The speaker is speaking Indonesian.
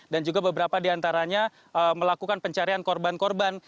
dan juga beberapa di antaranya melakukan pencarian korban korban